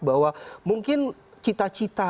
bahwa mungkin cita cita